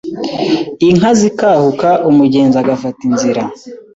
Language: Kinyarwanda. Inka zikahuka, umugenzi agafata inzira